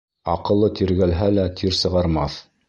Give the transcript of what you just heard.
Аҡыллы тиргәлһә лә тир сығармаҫ.